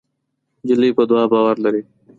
نجلۍ په دعا باور لري.